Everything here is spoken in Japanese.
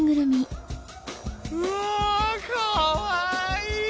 うわかわいい！